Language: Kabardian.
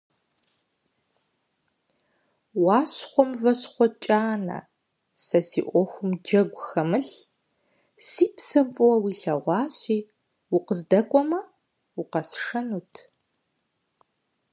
Уащхъуэ Мыващхъуэ КӀанэ, сэ си Ӏуэхум джэгу хэмылъ: си псэм фӀыуэ уилъэгъуащи, укъыздэкӀуэмэ, укъэсшэнут!